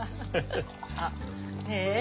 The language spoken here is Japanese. あっねえ